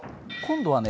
今度はね